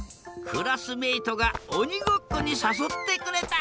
クラスメートがおにごっこにさそってくれた。